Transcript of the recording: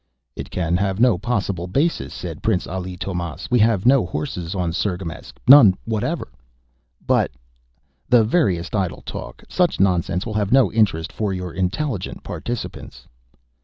"It can have no possible basis," said Prince Ali Tomás. "We have no horses on Cirgamesç. None whatever." "But ..." "The veriest idle talk. Such nonsense will have no interest for your intelligent participants."